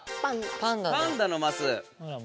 パンダのマス！